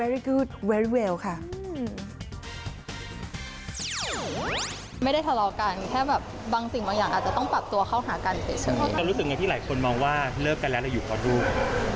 รู้สึกไงที่หลายคนมองว่าเลิกกันแล้วเราอยู่เพราะลูก